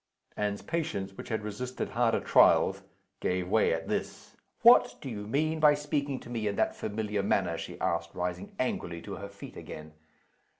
Anne's patience, which had resisted harder trials, gave way at this. "What do you mean by speaking to me in that familiar manner?" she asked, rising angrily to her feet again.